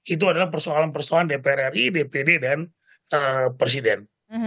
itu adalah persoalan persoalan dpr ri dpd dan presiden